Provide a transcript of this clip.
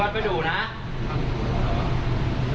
แม่